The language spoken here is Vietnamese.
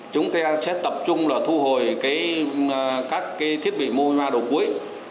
chúng ta sẽ tập trung thu hồi các thiết bị môi ma đồ cuối